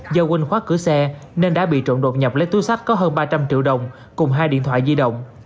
do quên khoát cửa xe nên đã bị trộn đột nhập lấy túi sắt có hơn ba trăm linh triệu đồng cùng hai điện thoại di động